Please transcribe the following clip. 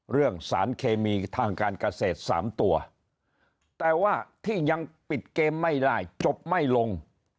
เรื่องสารเคมีทางการเกษตร๓ตัวแต่ว่าที่ยังปิดเกมไม่ได้จบไม่ลง